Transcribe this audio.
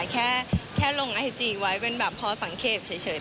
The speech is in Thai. แค่ลงไอจีไว้เป็นแบบพอสังเกตเฉย